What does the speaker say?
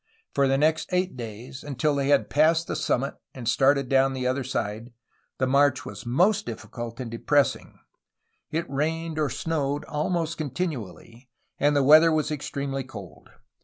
For the next eight days, until they had passed the summit and started down the other side, the march was most difficult and de 308 A HISTORY OF CALIFORNIA pressing. It rained or snowed almost continually, and the weather was extremely cold.